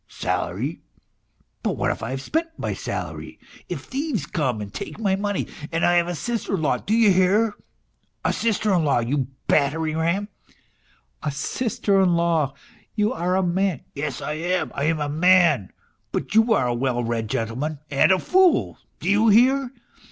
" Salary ? But what if I have spent my salary, if thieves come and take my money ? And I have a sister in law, do you hear? A sister in law ! You battering ram. ..."" A sister in law ! You are a man. ..."" Yes, I am ; I am a man. But you are a well read gentleman and a fool, do you hear